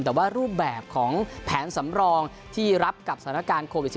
แต่ว่ารูปแบบของแผนสำรองที่รับกับสถานการณ์โควิด๑๙